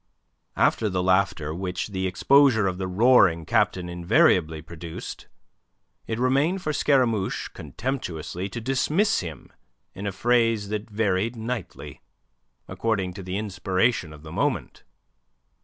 After the laughter which the exposure of the roaring captain invariably produced, it remained for Scaramouche contemptuously to dismiss him in a phrase that varied nightly, according to the inspiration of the moment.